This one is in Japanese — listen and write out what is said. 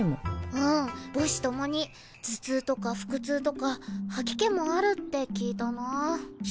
うん母子ともに頭痛とか腹痛とか吐き気もあるって聞いたな。